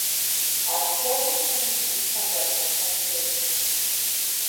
А псори щыму си фэм дэзгъэхуэн хуейт.